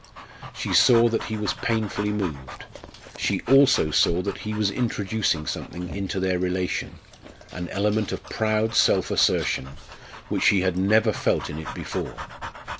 She saw that he was painfully moved; she also saw that he was introducing something into their relation, an element of proud self assertion, which she had never felt in it before.